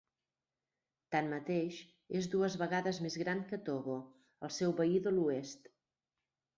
Tanmateix, és dues vegades més gran que Togo, el seu veí de l'oest.